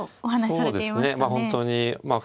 そうですねまあ本当にまあ